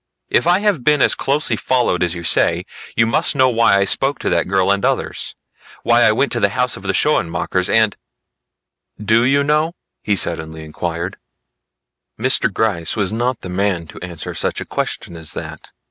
If I have been as closely followed as you say, you must know why I spoke to that girl and others, why I went to the house of the Schoenmakers and Do you know?" he suddenly inquired. Mr. Gryce was not the man to answer such a question as that.